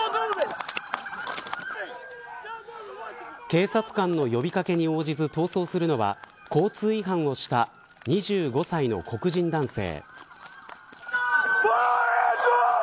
警察官が呼び掛けに応じず逃走するのは交通違反をした２５歳の黒人男性。